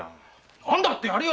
何だってやるよ